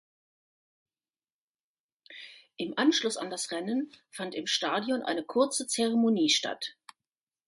Im Anschluss an das Rennen fand im Stadion eine kurze Zeremonie statt.